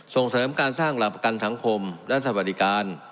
ส่งเสริมการสร้างหลักประกันสังคมและสวัสดิการ